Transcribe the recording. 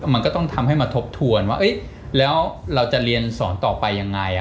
มันก็ต้องทำให้มาทบทวนว่าแล้วเราจะเรียนสอนต่อไปยังไง